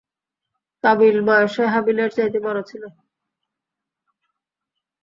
কাবীল বয়সে হাবীলের চাইতে বড় ছিল।